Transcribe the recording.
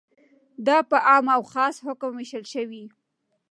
دا په عام او خاص حکم ویشل شوی.